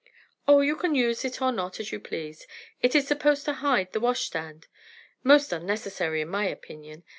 "Oh! you can use it or not as you please. It is supposed to hide the washhand stand: most unnecessary in my opinion.